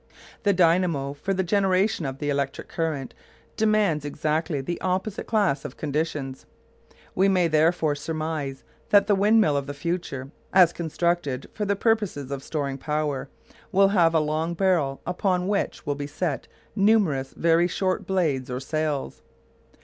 The dynamo for the generation of the electric current demands exactly the opposite class of conditions. We may therefore surmise that the windmill of the future, as constructed for the purposes of storing power, will have a long barrel upon which will be set numerous very short blades or sails.